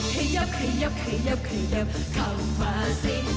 ขยับขยับขยับขยับเข้ามาสิ